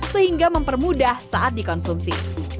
sehingga mempermudah saat dikonsumsi